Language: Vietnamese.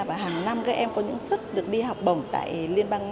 và hàng năm các em có những suất được đi học bổng tại liên bang